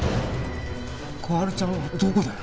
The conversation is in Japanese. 心春ちゃんはどこだよ！？